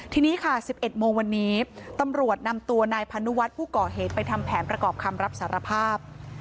ทีนี้ค่ะ๑๑โมงวันนี้ตำรวจนำตัวนายพานุวัฒน์ผู้ก่อเหตุไปทำแผนประกอบคำรับสารภาพ